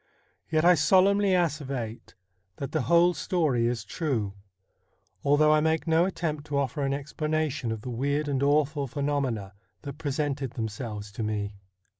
Yet I solemnly asseverate that the whole story is true, although I make no attempt to offer an explanation of the weird and awful phenomena that presented themselves to me.